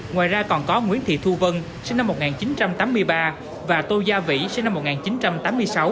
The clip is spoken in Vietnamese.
ngoài ra còn có nguyễn thị thu vân sinh năm một nghìn chín trăm tám mươi ba và tô gia vĩ sinh năm một nghìn chín trăm tám mươi sáu